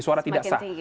suara tidak sah